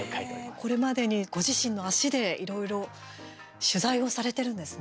これまでにご自身の足で、いろいろ取材をされてるんですね。